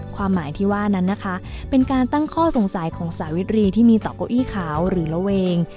ความหมายที่ว่านั้นนะคะเป็นการตั้งข้อสงสัยของสาวิตรีที่มีต่อเก้าอี้ขาวหรือระเวง